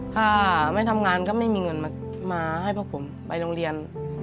ถ้าไม่ทำงานก็ไม่มีเงินมาให้พวกผมไปโรงเรียน